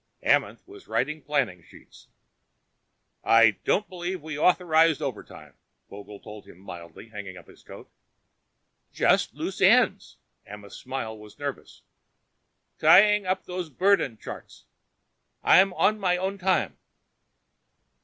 Amenth was writing planning sheets. "I don't believe we authorized overtime," Vogel told him mildly, hanging up his coat. "Just loose ends." Amenth's smile was nervous. "Tying up these burden charts. I'm on my own time."